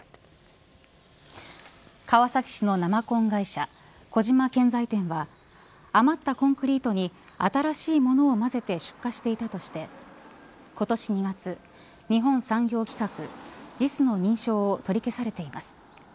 川崎市の生コン会社小島建材店は余ったコンクリートに新しい物を混ぜて出荷していたとして今年２月日本産業規格ＪＩＳの認証を取り消されています。